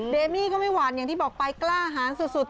เมมี่ก็ไม่หวั่นอย่างที่บอกไปกล้าหารสุด